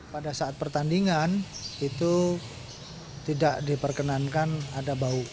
pada saat pertandingan itu tidak diperkenankan ada bau